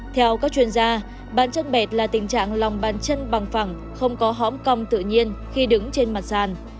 theo các chuyên gia bàn chân bẹt là tình trạng lòng bàn chân bằng phẳng không có hóm cong tự nhiên khi đứng trên mặt sàn